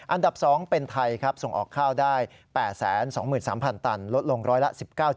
อันดับ๒เป็นไทยครับส่งออกข้าวได้๘๒๓๐๐ตันลดลงร้อยละ๑๙